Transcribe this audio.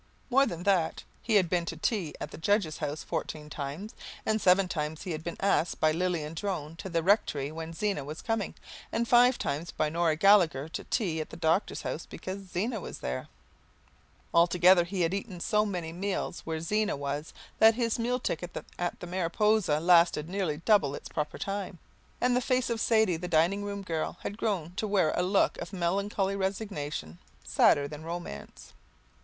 More than that he had been to tea at the judge's house fourteen times, and seven times he had been asked by Lilian Drone to the rectory when Zena was coming, and five times by Nora Gallagher to tea at the doctor's house because Zena was there. Altogether he had eaten so many meals where Zena was that his meal ticket at the Mariposa lasted nearly double its proper time, and the face of Sadie, the dining room girl, had grown to wear a look of melancholy resignation; sadder than romance.